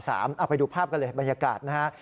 เอาไปดูภาพกันเลยบรรยากาศนะฮะ